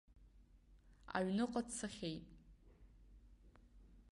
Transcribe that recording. Аҩныҟа дцахьеит.